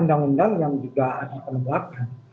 undang undang yang juga dikembangkan